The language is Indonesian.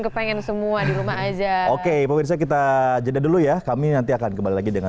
ke pengen semua di rumah aja oke kita jadah dulu ya kami nanti akan kembali lagi dengan